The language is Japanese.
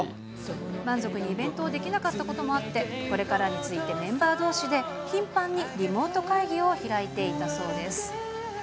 満足にイベントができなかったこともあって、これからについてメンバーどうしで、頻繁にリモート会議を開いていたそうです。